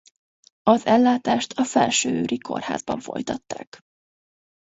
Az ellátást a Felsőőri Kórházban folytatták.